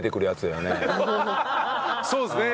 そうですね。